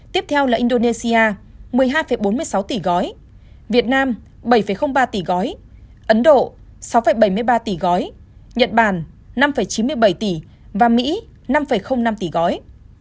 tiếp theo là indonesia một mươi hai bốn mươi sáu tỷ gói việt nam bảy ba tỷ gói ấn độ sáu bảy mươi ba tỷ gói nhật bản năm chín mươi bảy tỷ và mỹ năm năm tỷ gói